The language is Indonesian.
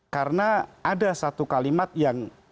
karena ada satu hal yang sangat penting